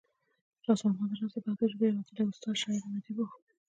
راز محمد راز د پښتو ژبې يو وتلی استاد، شاعر او اديب وو